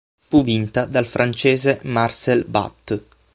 Fu vinta dal francese Marcel Bat.